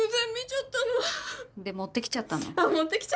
あっ持ってきちゃった。